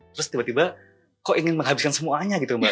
terus tiba tiba kok ingin menghabiskan semuanya gitu mbak